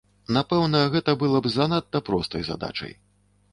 Напэўна, гэта была б занадта простай задачай.